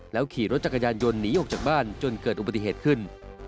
ขี่รถจักรยานยนต์หนีออกจากบ้านจนเกิดอุบัติเหตุขึ้น